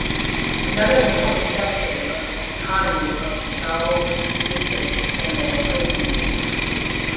Another important sector of economy of Thoubal District is Animal Husbandry.